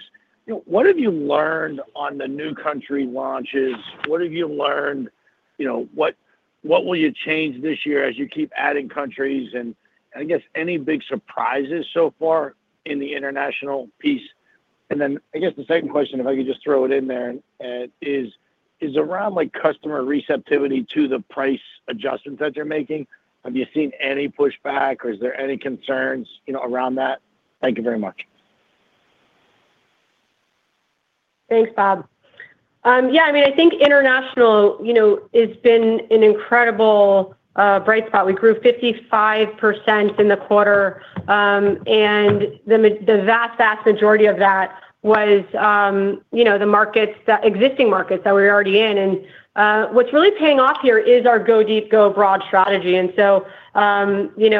You know, what have you learned on the new country launches? What have you learned? You know, what will you change this year as you keep adding countries? I guess any big surprises so far in the international piece? I guess the second question, if I could just throw it in there, is around like customer receptivity to the price adjustments that you're making. Have you seen any pushback or is there any concerns, you know, around that? Thank you very much. Thanks, Bob. I mean, I think international, you know, it's been an incredible bright spot. We grew 55% in the quarter, and the vast majority of that was, you know, existing markets that we're already in. What's really paying off here is our Go Deep, Go Broad strategy. You know,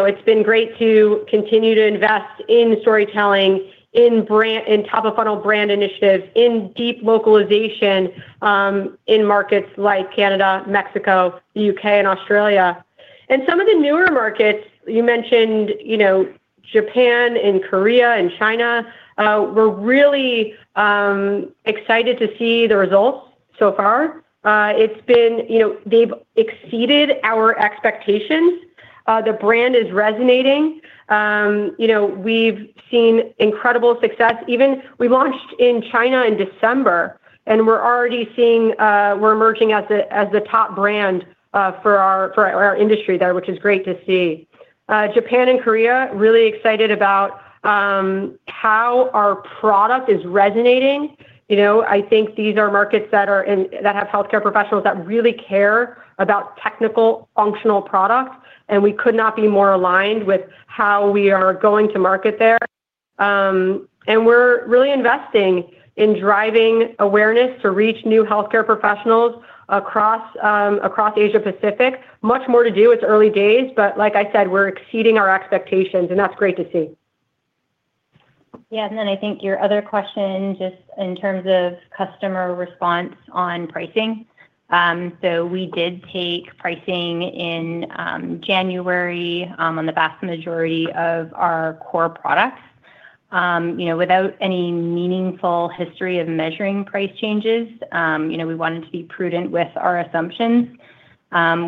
it's been great to continue to invest in storytelling, in brand, in top-of-funnel brand initiatives, in deep localization, in markets like Canada, Mexico, U.K. and Australia. Some of the newer markets, you mentioned, you know, Japan and Korea and China, we're really excited to see the results so far. You know, they've exceeded our expectations. The brand is resonating. You know, we've seen incredible success. Even we launched in China in December, and we're already seeing we're emerging as the top brand for our industry there, which is great to see. Japan and Korea, really excited about how our product is resonating. You know, I think these are markets that have healthcare professionals that really care about technical functional products, and we could not be more aligned with how we are going to market there. We're really investing in driving awareness to reach new healthcare professionals across Asia-Pacific. Much more to do. It's early days, but like I said, we're exceeding our expectations, and that's great to see. Yeah. I think your other question, just in terms of customer response on pricing. We did take pricing in January on the vast majority of our core products. You know, without any meaningful history of measuring price changes, you know, we wanted to be prudent with our assumptions.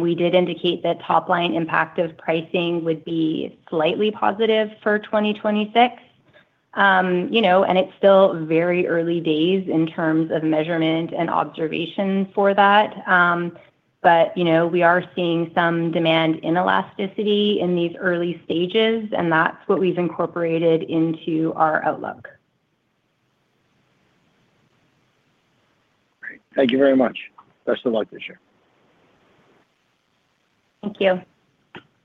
We did indicate that top line impact of pricing would be slightly positive for 2026. You know, it's still very early days in terms of measurement and observation for that. You know, we are seeing some demand in elasticity in these early stages, that's what we've incorporated into our outlook. Great. Thank you very much. Best of luck this year. Thank you.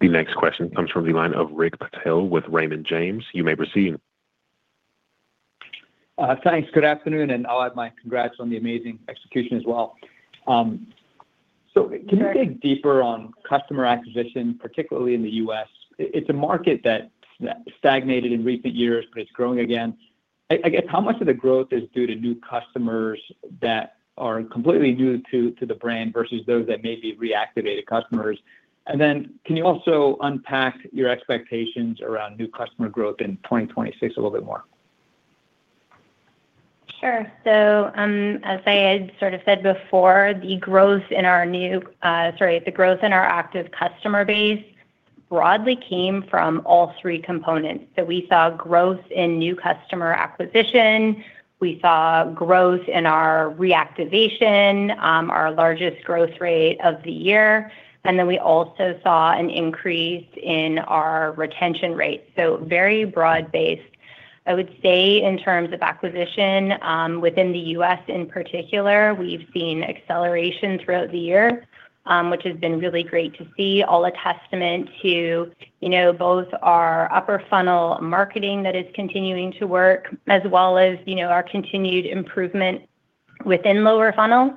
The next question comes from the line of Rick Patel with Raymond James. You may proceed. Thanks. Good afternoon, and I'll add my congrats on the amazing execution as well. Can you dig deeper on customer acquisition, particularly in the U.S.? It's a market that stagnated in recent years, but it's growing again. I guess how much of the growth is due to new customers that are completely new to the brand versus those that may be reactivated customers? Then can you also unpack your expectations around new customer growth in 2026 a little bit more? Sure. As I had sort of said before, the growth in our active customer base broadly came from all three components. We saw growth in new customer acquisition. We saw growth in our reactivation, our largest growth rate of the year, and then we also saw an increase in our retention rate. Very broad-based. I would say in terms of acquisition, within the U.S. in particular, we've seen acceleration throughout the year, which has been really great to see. All a testament to, you know, both our upper funnel marketing that is continuing to work as well as, you know, our continued improvement within lower funnel.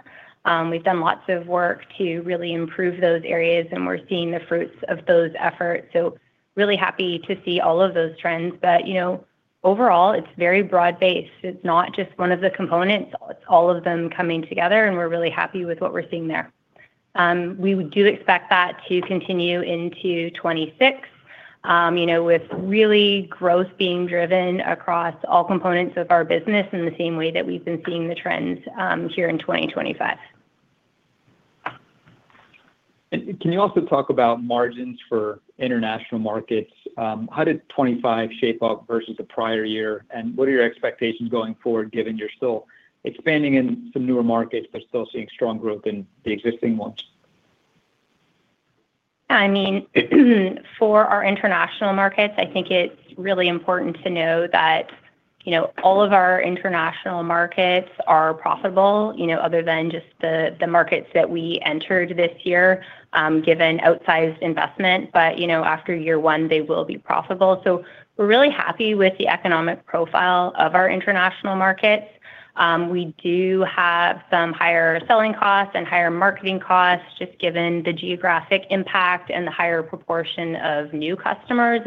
We've done lots of work to really improve those areas, and we're seeing the fruits of those efforts. Really happy to see all of those trends. You know, overall it's very broad-based. It's not just one of the components, it's all of them coming together, and we're really happy with what we're seeing there. We do expect that to continue into 2026, you know, with really growth being driven across all components of our business in the same way that we've been seeing the trends here in 2025. Can you also talk about margins for international markets? How did 2025 shape up versus the prior year, and what are your expectations going forward given you're still expanding in some newer markets but still seeing strong growth in the existing ones? I mean, for our international markets, I think it's really important to know that, you know, all of our international markets are profitable, you know, other than just the markets that we entered this year, given outsized investment. You know, after year one, they will be profitable. We're really happy with the economic profile of our international markets. We do have some higher selling costs and higher marketing costs just given the geographic impact and the higher proportion of new customers.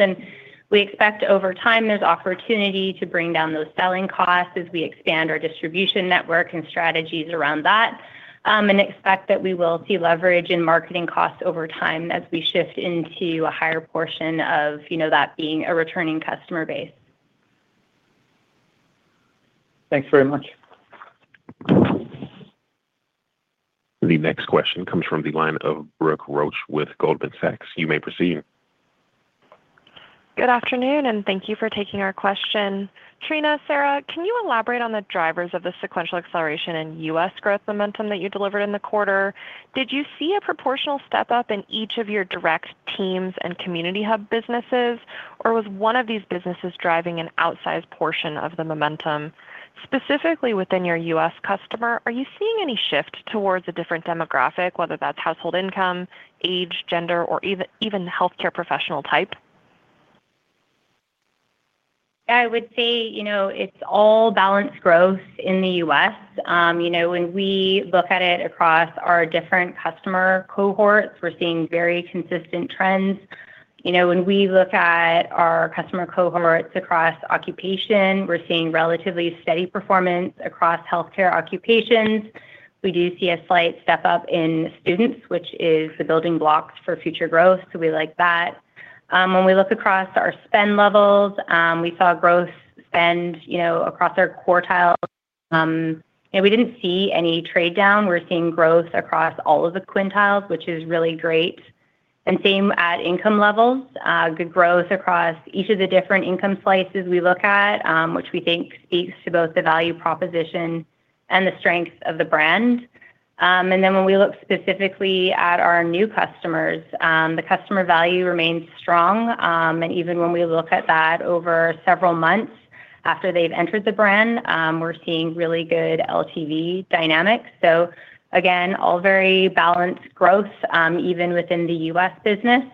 We expect over time, there's opportunity to bring down those selling costs as we expand our distribution network and strategies around that, and expect that we will see leverage in marketing costs over time as we shift into a higher portion of, you know, that being a returning customer base. Thanks very much. The next question comes from the line of Brooke Roach with Goldman Sachs. You may proceed. Good afternoon, thank you for taking our question. Trina, Sarah, can you elaborate on the drivers of the sequential acceleration in U.S. growth momentum that you delivered in the quarter? Did you see a proportional step up in each of your direct teams and community hub businesses, or was one of these businesses driving an outsized portion of the momentum? Specifically within your U.S. customer, are you seeing any shift towards a different demographic, whether that's household income, age, gender, or even healthcare professional type? I would say, you know, it's all balanced growth in the US. You know, when we look at it across our different customer cohorts, we're seeing very consistent trends. You know, when we look at our customer cohorts across occupation, we're seeing relatively steady performance across healthcare occupations. We do see a slight step up in students, which is the building blocks for future growth. We like that. When we look across our spend levels, we saw growth spend, you know, across our quartiles. We didn't see any trade down. We're seeing growth across all of the quintiles, which is really great. Same at income levels. Good growth across each of the different income slices we look at, which we think speaks to both the value proposition and the strength of the brand. When we look specifically at our new customers, the customer value remains strong. Even when we look at that over several months after they've entered the brand, we're seeing really good LTV dynamics. Again, all very balanced growth, even within the U.S. business.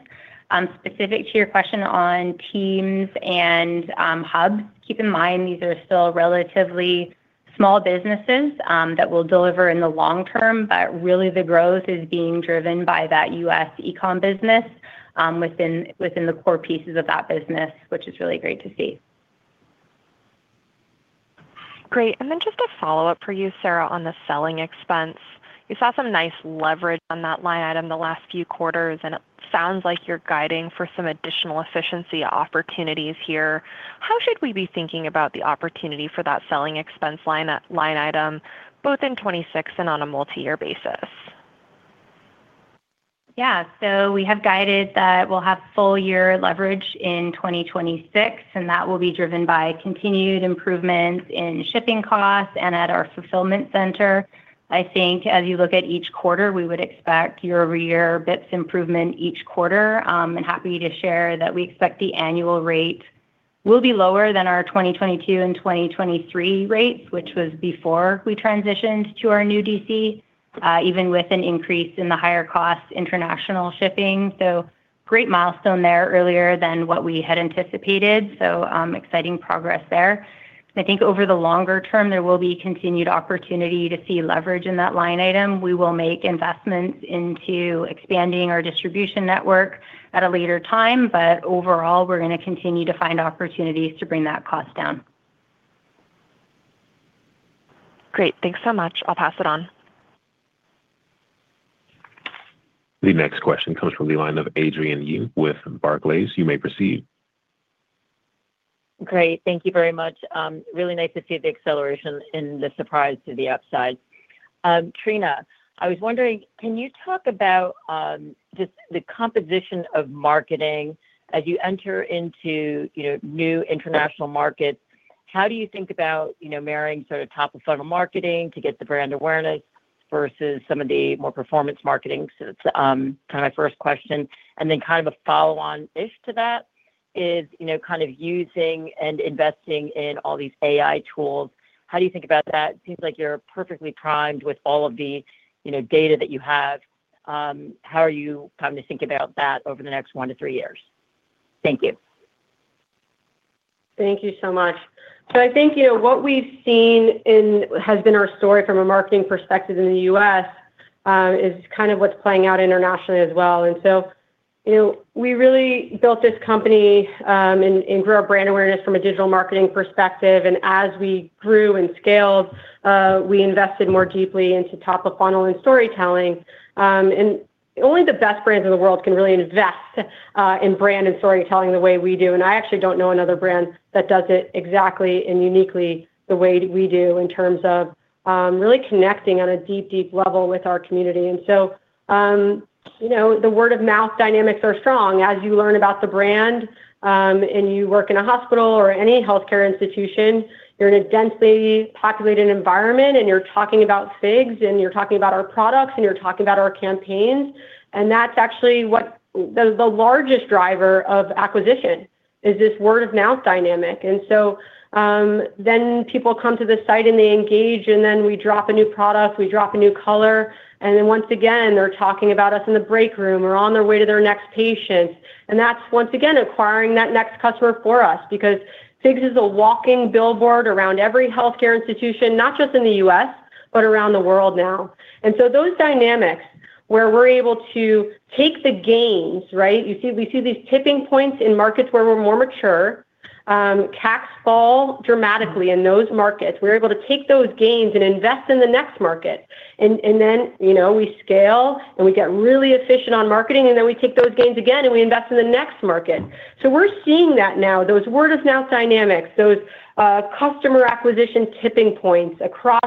To your question on teams and hubs, keep in mind these are still relatively small businesses, that will deliver in the long term, but really the growth is being driven by that U.S. e-com business, within the core pieces of that business, which is really great to see. Great. Just a follow-up for you, Sarah, on the selling expense. You saw some nice leverage on that line item the last few quarters, and it sounds like you're guiding for some additional efficiency opportunities here. How should we be thinking about the opportunity for that selling expense line item, both in 2026 and on a multi-year basis? Yeah. We have guided that we'll have full year leverage in 2026, and that will be driven by continued improvements in shipping costs and at our fulfillment center. I think as you look at each quarter, we would expect year-over-year bits improvement each quarter. Happy to share that we expect the annual rate will be lower than our 2022 and 2023 rates, which was before we transitioned to our new DC, even with an increase in the higher cost international shipping. Great milestone there earlier than what we had anticipated. Exciting progress there. I think over the longer term, there will be continued opportunity to see leverage in that line item. We will make investments into expanding our distribution network at a later time, overall, we're gonna continue to find opportunities to bring that cost down. Great. Thanks so much. I'll pass it on. The next question comes from the line of Adrienne Yih with Barclays. You may proceed. Great. Thank you very much. Really nice to see the acceleration and the surprise to the upside. Trina, I was wondering, can you talk about just the composition of marketing as you enter into, you know, new international markets, how do you think about, you know, marrying sort of top-of-funnel marketing to get the brand awareness versus some of the more performance marketing? That's kind of my first question. Kind of a follow-on ish to that is, you know, kind of using and investing in all these AI tools, how do you think about that? It seems like you're perfectly primed with all of the, you know, data that you have. How are you coming to think about that over the next one to three years? Thank you. Thank you so much. I think, you know, what we've seen has been our story from a marketing perspective in the U.S. is kind of what's playing out internationally as well. You know, we really built this company and grew our brand awareness from a digital marketing perspective, and as we grew and scaled, we invested more deeply into top of funnel and storytelling. Only the best brands in the world can really invest in brand and storytelling the way we do. I actually don't know another brand that does it exactly and uniquely the way we do in terms of really connecting on a deep, deep level with our community. You know, the word-of-mouth dynamics are strong. As you learn about the brand, you work in a hospital or any healthcare institution, you're in a densely populated environment, you're talking about FIGS, you're talking about our products, and you're talking about our campaigns. That's actually what the largest driver of acquisition, is this word-of-mouth dynamic. Then people come to the site, they engage, then we drop a new product, we drop a new color, then once again, they're talking about us in the break room or on their way to their next patient. That's once again acquiring that next customer for us, because FIGS is a walking billboard around every healthcare institution, not just in the U.S., but around the world now. Those dynamics where we're able to take the gains, right? We see these tipping points in markets where we're more mature, CACs fall dramatically in those markets. We're able to take those gains and invest in the next market. Then, you know, we scale, and we get really efficient on marketing, and then we take those gains again, and we invest in the next market. We're seeing that now, those word-of-mouth dynamics, those customer acquisition tipping points across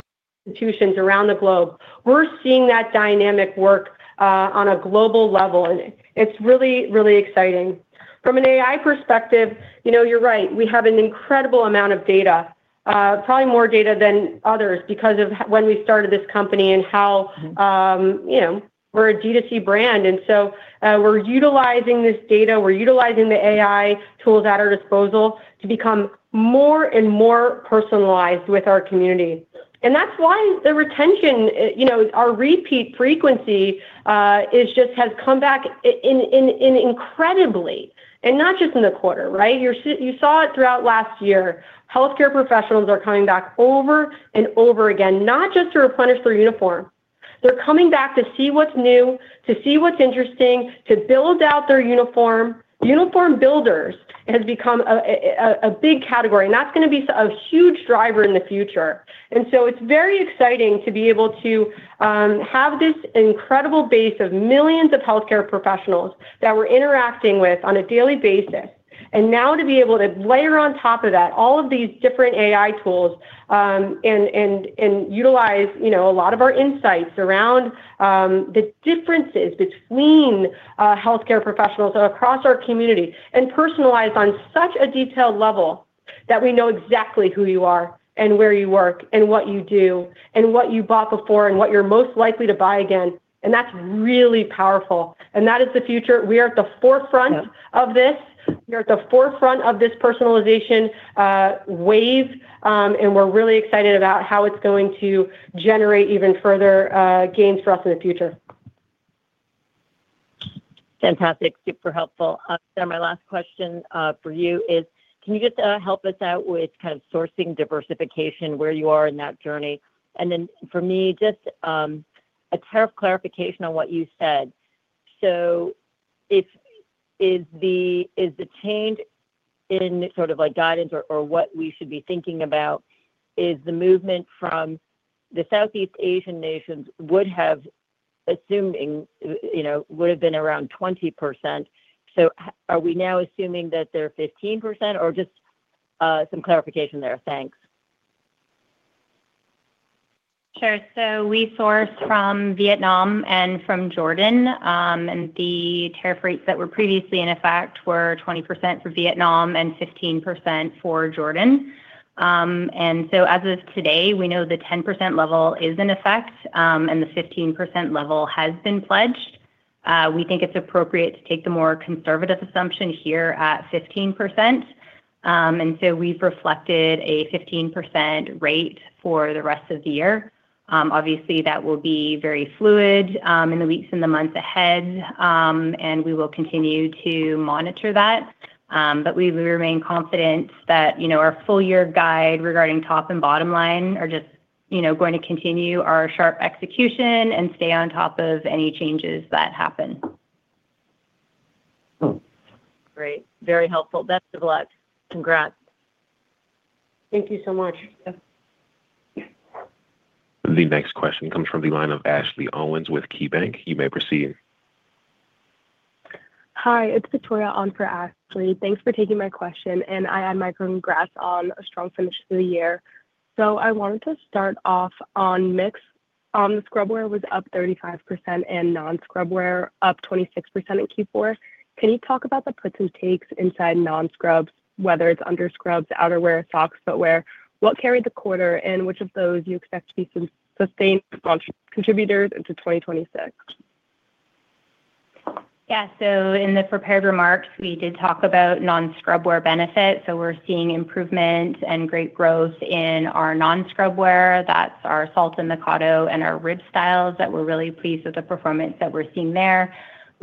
institutions around the globe. We're seeing that dynamic work on a global level, and it's really, really exciting. From an AI perspective, you know, you're right, we have an incredible amount of data, probably more data than others because of when we started this company and how, you know, we're a D2C brand. We're utilizing this data, we're utilizing the AI tools at our disposal to become more and more personalized with our community. That's why the retention, you know, our repeat frequency, has come back incredibly, and not just in the quarter, right? You saw it throughout last year. Healthcare professionals are coming back over and over again, not just to replenish their uniform. They're coming back to see what's new, to see what's interesting, to build out their uniform. Uniform builders has become a big category, and that's gonna be so a huge driver in the future. It's very exciting to be able to have this incredible base of millions of healthcare professionals that we're interacting with on a daily basis. Now to be able to layer on top of that, all of these different AI tools, and utilize, you know, a lot of our insights around, the differences between, healthcare professionals across our community and personalize on such a detailed level that we know exactly who you are, and where you work, and what you do, and what you bought before, and what you're most likely to buy again. That's really powerful. That is the future. We are at the forefront- Yeah of this. We're at the forefront of this personalization, wave, and we're really excited about how it's going to generate even further, gains for us in the future. Fantastic. Super helpful. Then my last question for you is, can you just help us out with kind of sourcing diversification, where you are in that journey? Then for me, just a tariff clarification on what you said. Is the, is the change in sort of like guidance or what we should be thinking about is the movement from the Southeast Asian nations would have assuming, you know, would have been around 20%. Are we now assuming that they're 15% or just some clarification there? Thanks. Sure. We source from Vietnam and from Jordan, and the tariff rates that were previously in effect were 20% for Vietnam and 15% for Jordan. As of today, we know the 10% level is in effect, and the 15% level has been pledged. We think it's appropriate to take the more conservative assumption here at 15%. We've reflected a 15% rate for the rest of the year. Obviously, that will be very fluid in the weeks and the months ahead, and we will continue to monitor that. We will remain confident that, you know, our full year guide regarding top and bottom line are just, you know, going to continue our sharp execution and stay on top of any changes that happen. Great. Very helpful. Best of luck. Congrats. Thank you so much. The next question comes from the line of Ashley Owens with KeyBank. You may proceed. Hi, it's Victoria on for Ashley. Thanks for taking my question. Congrats on a strong finish to the year. I wanted to start off on mix. The scrub wear was up 35% and non-scrub wear up 26% in Q4. Can you talk about the puts and takes inside non-scrubs, whether it's under scrubs, outerwear, socks, footwear? What carried the quarter, and which of those do you expect to be sustained contributors into 2026? Yeah. In the prepared remarks, we did talk about non-scrub wear benefits. We're seeing improvement and great growth in our non-scrub wear. That's our Salta and Mikado and our Rib styles that we're really pleased with the performance that we're seeing there.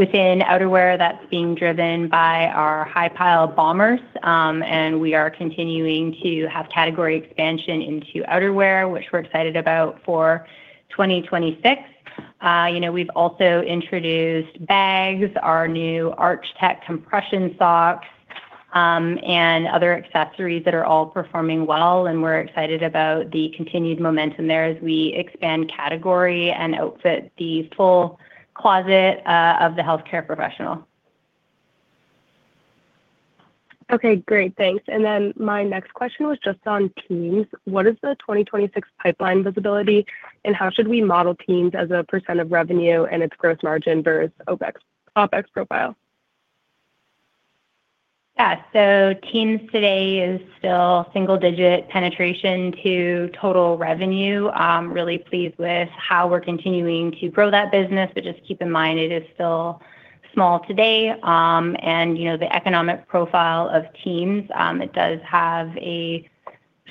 Within outerwear, that's being driven by our high pile bombers, and we are continuing to have category expansion into outerwear, which we're excited about for 2026. You know, we've also introduced bags, our new ArchTek compression socks, and other accessories that are all performing well, and we're excited about the continued momentum there as we expand category and outfit the full closet of the healthcare professional. Okay. Great. Thanks. My next question was just on Teams. What is the 2026 pipeline visibility, and how should we model Teams as a % of revenue and its gross margin versus OPEX profile? Teams today is still single-digit penetration to total revenue. I'm really pleased with how we're continuing to grow that business, but just keep in mind it is still small today. You know, the economic profile of Teams, it does have a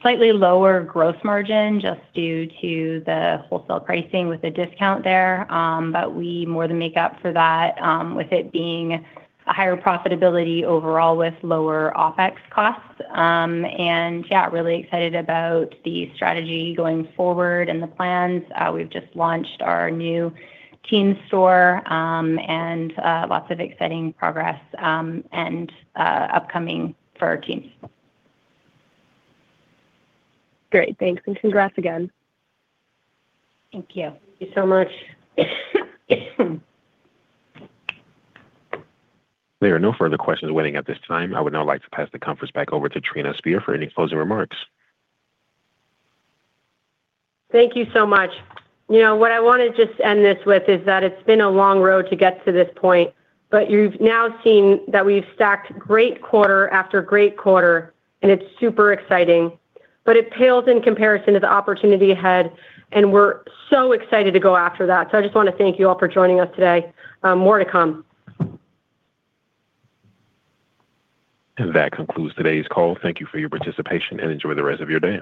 slightly lower gross margin just due to the wholesale pricing with the discount there. We more than make up for that with it being a higher profitability overall with lower OPEX costs. Yeah, really excited about the strategy going forward and the plans. We've just launched our new Teams store, lots of exciting progress and upcoming for our Teams. Great. Thanks, and congrats again. Thank you. Thank you so much. There are no further questions waiting at this time. I would now like to pass the conference back over to Trina Spear for any closing remarks. Thank you so much. You know, what I wanna just end this with is that it's been a long road to get to this point, but you've now seen that we've stacked great quarter after great quarter, and it's super exciting. It pales in comparison to the opportunity ahead, and we're so excited to go after that. I just wanna thank you all for joining us today. more to come. That concludes today's call. Thank you for your participation, and enjoy the rest of your day.